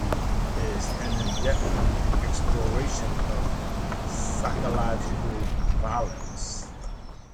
"Irakal" is an in-depth exploration of the psychology of violence.